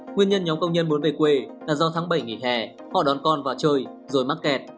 nguyên nhân nhóm công nhân muốn về quê là do tháng bảy nghỉ hè họ đón con vào chơi rồi mắc kẹt